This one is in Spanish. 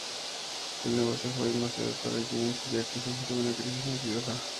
El negocio fue demasiado para James, ya que sufrió una crisis nerviosa.